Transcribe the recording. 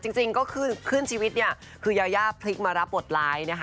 จริงก็ขึ้นชีวิตเนี่ยคือยายาพลิกมารับบทร้ายนะคะ